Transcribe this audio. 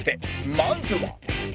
まずは